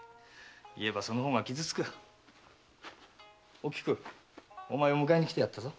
おきくお前を迎えに来てやったぞ。